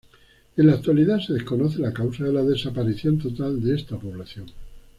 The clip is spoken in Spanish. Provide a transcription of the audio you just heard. En la actualidad se desconoce la causa de la desaparición total de esta población.